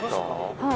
はい。